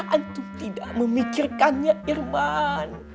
antung tidak memikirkannya irman